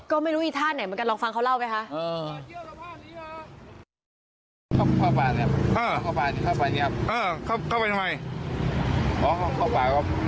ก็ไม่รู้อีท่าไหนเหมือนกันลองฟังเขาเล่าไหมคะ